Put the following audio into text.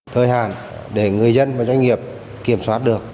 thời hạn để người dân và doanh nghiệp kiểm soát được